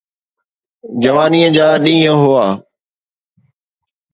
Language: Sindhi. جوانيءَ جا ڏينهن هئا.